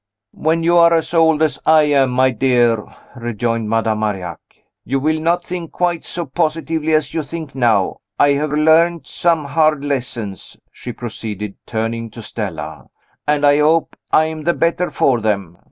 "When you are as old as I am, my dear," rejoined Madame Marillac, "you will not think quite so positively as you think now. I have learned some hard lessons," she proceeded, turning to Stella, "and I hope I am the better for them.